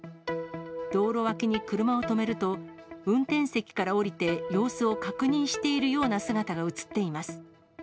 道路脇に車を止めると、運転席から降りて、様子を確認しているような姿が写っています。